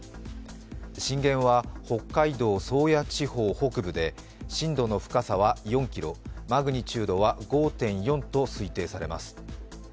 震源は北海道宗谷地方北部で震度の深さは４ｋｍ、マグニチュードは５．４と推定されます。